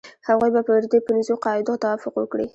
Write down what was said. هغوی به پر دې پنځو قاعدو توافق وکړي.